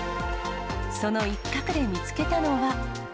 その一角で見つけたのは。